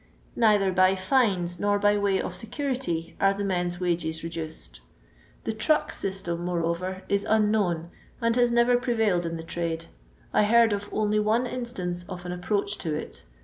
Neither by Jina nor by way of McunVy an the men's wnges reduced. The truck sifsUvt, moreover, is unknown, and bos never prevailed in the trade. I heard of only one instance of an approach to it.